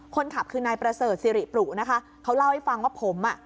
คนขับคือนายประเสริฐสิริปรุนะคะเขาเล่าให้ฟังว่าผมอ่ะ